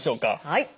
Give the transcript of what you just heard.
はい。